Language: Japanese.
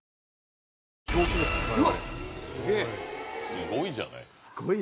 すごいじゃない。